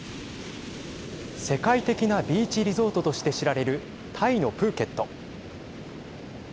世界的なビーチリゾートとして知られるタイのプーケット。